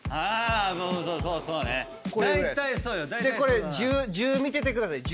これ１０見ててください。